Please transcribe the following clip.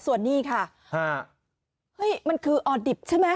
ส่วนนี้ค่ะเฮ้ยมันคือออดิบใช่ไหม